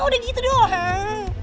udah gitu doang